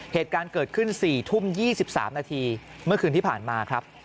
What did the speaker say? เหตุการณ์เกิดขึ้น๔ทุ่ม๒๓นาทีเมื่อคืนที่ผ่านมาครับ